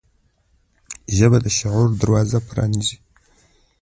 ژبه د شعور دروازه پرانیزي